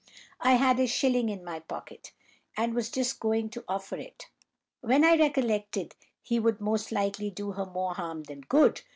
I had a shilling in my pocket, and was just going to offer it, when I recollected he would most likely do her more harm than good.